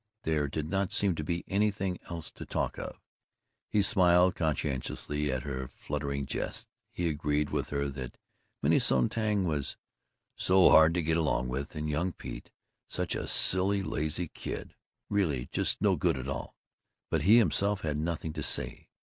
There did not seem to be anything else to talk of. He smiled conscientiously at her fluttering jests; he agreed with her that Minnie Sonntag was "so hard to get along with," and young Pete "such a silly lazy kid, really just no good at all." But he himself had nothing to say.